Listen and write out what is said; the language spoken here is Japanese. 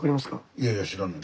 いやいや知らんねん。